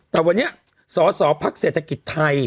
แต่วันนี้สอสอพักเศรษฐกิจไทย